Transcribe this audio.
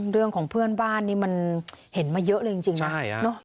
เรื่องของเพื่อนบ้านมันเห็นมาเยอะเลยจริงนะ